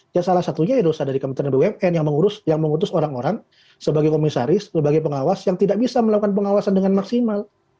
ya salah satunya ya dosa dari kementerian bumn yang mengutus orang orang sebagai komisaris sebagai pengawas yang tidak bisa melakukan pengawasan dengan maksimal